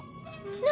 何？